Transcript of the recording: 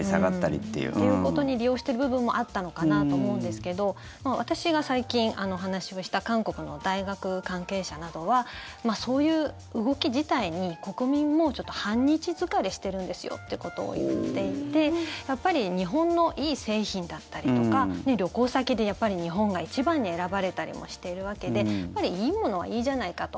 ということに利用してる部分もあったのかなと思うんですけど私が最近、話をした韓国の大学関係者などはそういう動き自体に国民もちょっと反日疲れしてるんですよってことを言っていてやっぱり日本のいい製品だったりとか旅行先で日本が一番に選ばれたりもしているわけでやっぱりいいものはいいじゃないかと。